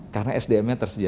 karena sdm nya tersedia